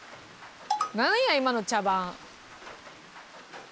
何や今の茶番。